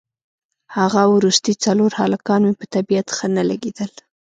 هغه وروستي څلور هلکان مې په طبیعت ښه نه لګېدل.